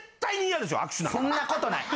そんなことない。